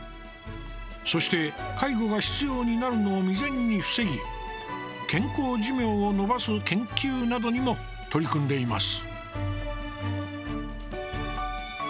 そして、介護が必要になるのを未然に防ぎ健康寿命を延ばす研究などにも取り組んでいます。